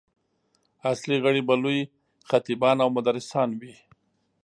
اصلي غړي به لوی خطیبان او مدرسان وي.